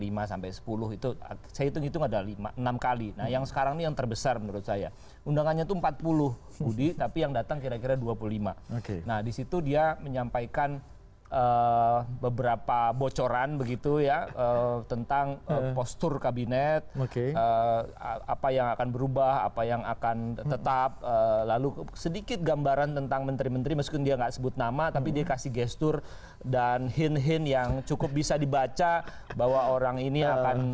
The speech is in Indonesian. itu saya hitung hitung ada lima enam kali nah yang sekarang ini yang terbesar menurut saya undangannya itu empat puluh budi tapi yang datang kira kira dua puluh lima nah disitu dia menyampaikan beberapa bocoran begitu ya tentang postur kabinet apa yang akan berubah apa yang akan tetap lalu sedikit gambaran tentang menteri menteri meskipun dia gak sebut nama tapi dia kasih gestur dan hint hint yang cukup bisa dibaca bahwa orang ini akan berubah